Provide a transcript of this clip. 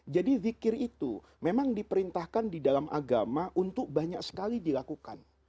jadi zikir itu memang diperintahkan di dalam agama untuk banyak sekali dilakukan